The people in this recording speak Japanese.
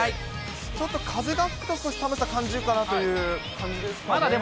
ちょっと風が吹くと少し寒さ感じるかなという感じですかね。